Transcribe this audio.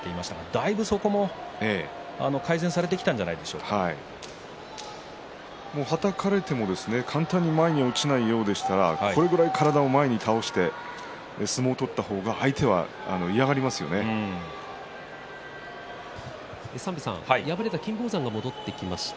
だいぶ改善されてきたんじゃはたかれても簡単に前に落ちないようですからこれくらい体を前に倒して相撲を取った方が敗れた金峰山が戻ってきました。